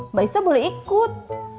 mbak isah boleh ikut